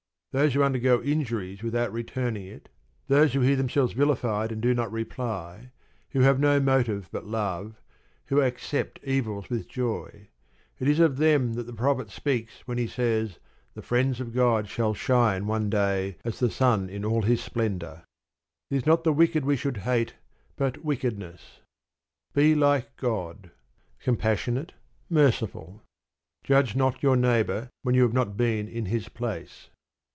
Those who undergo injuries without returning it, those who hear themselves vilified and do not reply, who have no motive but love, who accept evils with joy; it is of them that the prophet speaks when he says the friends of God shall shine one day as the sun in all his splendour. It is not the wicked we should hate, but wickedness. Be like God, compassionate, merciful. Judge not your neighbour when you have not been in his place.